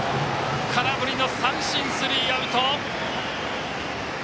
空振り三振、スリーアウト。